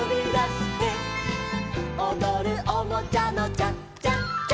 「おどるおもちゃのチャチャチャ」